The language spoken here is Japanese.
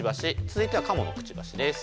続いてはカモのクチバシです。